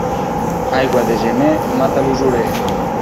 Aigua de gener mata l'usurer.